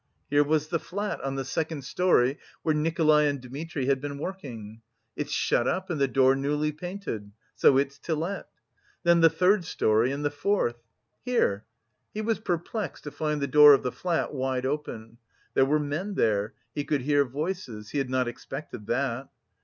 Here was the flat on the second storey where Nikolay and Dmitri had been working. "It's shut up and the door newly painted. So it's to let." Then the third storey and the fourth. "Here!" He was perplexed to find the door of the flat wide open. There were men there, he could hear voices; he had not expected that.